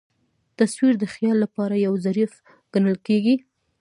تصویر د خیال له پاره یو ظرف ګڼل کېږي.